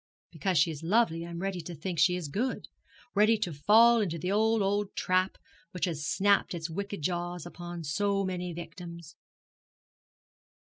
'Because she is lovely I am ready to think she is good ready to fall into the old, old trap which has snapped its wicked jaws upon so many victims.